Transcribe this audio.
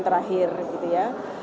terakhir gitu ya